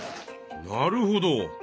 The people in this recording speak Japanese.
なるほど。